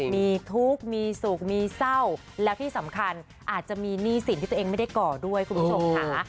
มีทุกข์มีสุขมีเศร้าแล้วที่สำคัญอาจจะมีหนี้สินที่ตัวเองไม่ได้ก่อด้วยคุณผู้ชมค่ะ